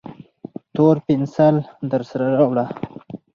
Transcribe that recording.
تور پینسیل درسره راوړه